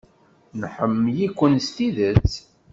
Nḥemmel-iken s tidet.